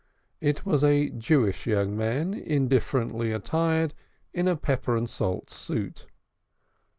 It was a Jewish young man, indifferently attired in a pepper and salt suit.